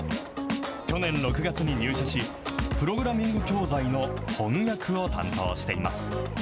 去年６月に入社し、プログラミング教材の翻訳を担当しています。